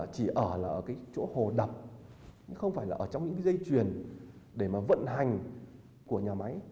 chỉ ở là ở chỗ hồ đập không phải là ở trong những dây chuyền để vận hành của nhà máy